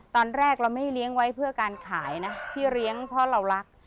ตอนแรกเราไม่เลี้ยงไว้เพื่อการขายนะพี่เลี้ยงเพราะเรารัก